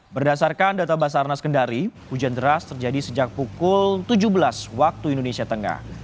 berdasarkan data basarnas kendari hujan deras terjadi sejak pukul tujuh belas waktu indonesia tengah